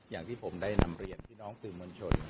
อย่างที่ผมได้นำเรียนพี่น้องสื่อมวลชน